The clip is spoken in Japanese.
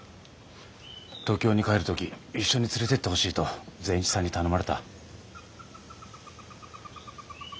東京に帰る時一緒に連れてってほしいと善一さんに頼まれた。